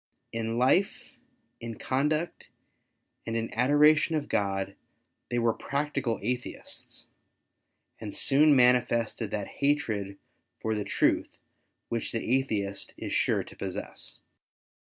In life, in conduct, and in adoration of God, they were practical Atheists, and soon manifested that hatred for the truth which the Atheist is sure to possess.